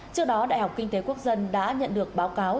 trước đó đại học kinh tế quốc dân đã nhận được báo cáo